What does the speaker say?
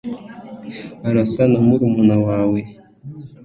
arasa na murumuna wawe